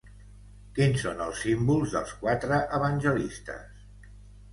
Quins són els símbols dels quatre evangelistes?